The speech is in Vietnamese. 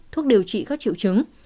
thuốc điều trị các triệu chứng